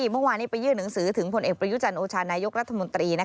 เมื่อวานนี้ไปยื่นหนังสือถึงผลเอกประยุจันทร์โอชานายกรัฐมนตรี